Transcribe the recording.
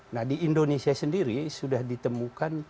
nah di indonesia sendiri sudah ditemukan tujuh puluh satu